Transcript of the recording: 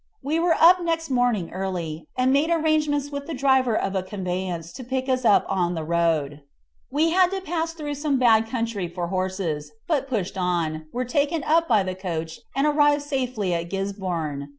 We were up next morning early, and made arrangements with the driver of a conveyance to pick us up on the road. We had to pass through some bad country for horses, but pushed on, were taken up by the coach, and arrived safely at Gisborne.